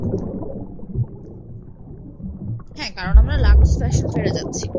হ্যা, কারন আমরা লাগোস ফ্যাশন ফেয়ারে যাচ্ছি।